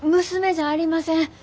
娘じゃありません。